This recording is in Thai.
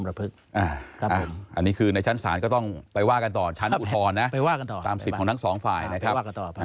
อันนี้คือในชั้นศาลก็ต้องไปว่ากันต่อชั้นอุทธรณ์นะไปว่ากันต่อตามสิทธิ์ของทั้งสองฝ่ายนะครับ